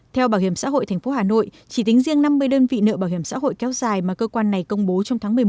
theo bảo hiểm xã hội tp hà nội chỉ tính riêng năm mươi đơn vị nợ bảo hiểm xã hội kéo dài mà cơ quan này công bố trong tháng một mươi một